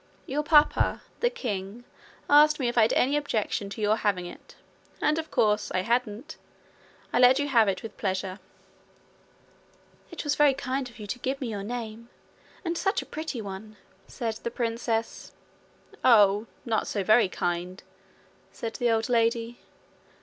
'Your papa, the king, asked me if I had any objection to your having it; and, of course, I hadn't. I let you have it with pleasure.' 'It was very kind of you to give me your name and such a pretty one,' said the princess. 'Oh, not so very kind!' said the old lady.